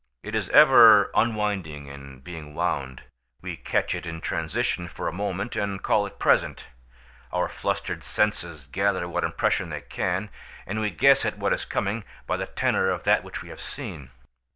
It is ever unwinding and being wound; we catch it in transition for a moment, and call it present; our flustered senses gather what impression they can, and we guess at what is coming by the tenor of that which we have seen.